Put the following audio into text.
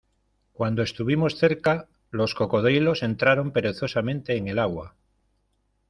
cuando estuvimos cerca, los cocodrilos entraron perezosamente en el agua.